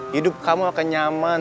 hidup kamu akan nyaman